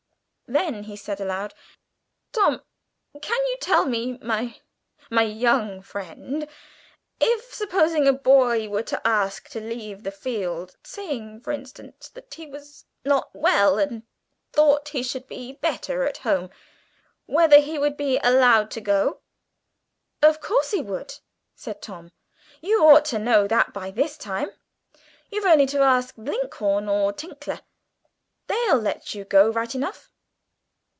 Then he said aloud to Tom, "Can you tell me, my my young friend, if, supposing a boy were to ask to leave the field saying for instance that he was not well and thought he should be better at home whether he would be allowed to go?" "Of course he would," said Tom, "you ought to know that by this time. You've only to ask Blinkhorn or Tinkler; they'll let you go right enough."